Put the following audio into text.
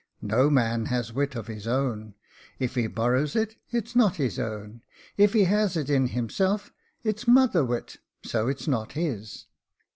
" No man has wit of his own ; if he borrows it, it's not his own ; if he has it in himself, it's mother wit, so it's not his."